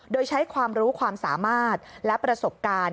โดยใช้ความรู้ความสามารถและประสบการณ์